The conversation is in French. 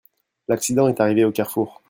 L'accident est arrivé au carrefour.